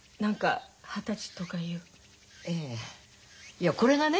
いやこれがね